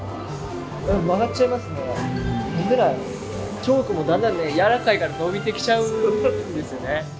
チョークもだんだんね、やわらかいからのびてきちゃうんですよね。